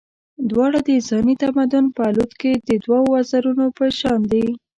دواړه د انساني تمدن په الوت کې د دوو وزرونو په شان دي.